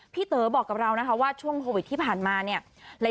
พี่เต๋อบอกกับเรานะคะว่าช่วงโปรไกท์ที่ผ่านมาเลยค่ะ